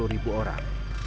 empat puluh ribu orang